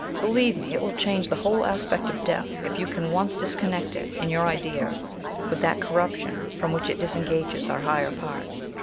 Believe me, it will change the whole aspect of death, if you can once disconnect it, in your idea, with that corruption from which it disengages our higher part."